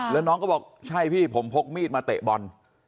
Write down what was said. แล้วน้องก็บอกใช่พี่ผมพกมีดมาเตะบอล